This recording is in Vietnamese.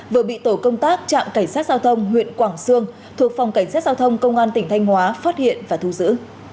vừa bị tổ công tác trạm cảnh sát giao thông huyện quảng sương thuộc phòng cảnh sát giao thông công an tỉnh thanh hóa phát hiện và thu giữ